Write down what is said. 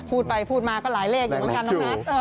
พูดไปพูดมาก็หลายเลขอยู่เหมือนกันน้องนัท